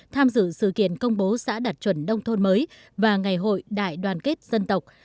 tham dự sự kiện công bố xã đạt chuẩn nông thôn mới và ngày hội đại đoàn kết dân tộc